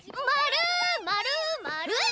まるまる！